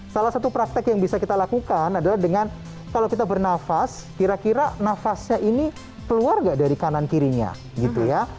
salah satu praktek yang bisa kita lakukan adalah dengan kalau kita bernafas kira kira nafasnya ini keluar gak dari kanan kirinya gitu ya